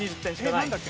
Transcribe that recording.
なんだっけ？